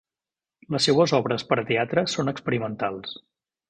Les seues obres per a teatre són experimentals.